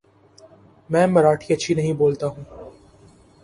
میں مراٹھی اچھی نہیں بولتا ہوں ـ